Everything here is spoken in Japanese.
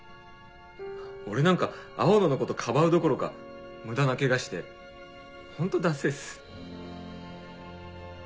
俺なんか青野のことかばうどころか無駄なケガしてホントダッセェっす。